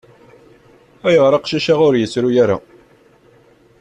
-Ayɣer aqcic-a ur yettru ara.